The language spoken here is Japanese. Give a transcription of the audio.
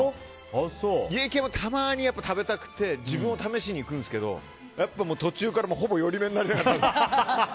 家系もたまに食べたくて自分を試しに行くんですけどやっぱり途中からほぼ、寄り目になりながら。